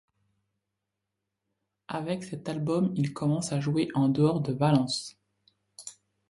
Avec cet album, ils commencent à jouer en dehors de Valence.